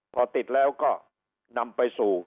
พอติดแล้วก็นำไปสู่